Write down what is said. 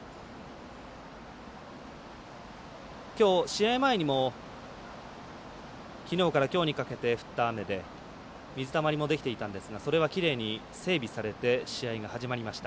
きょう試合前にもきのうからきょうにかけて降った雨で水たまりもできていたんですがそれはきれいに整備されて試合が始まりました。